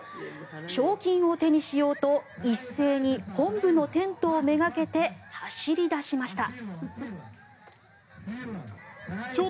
賞金を手にしようと一斉に本部のテントをめがけて走り出しました。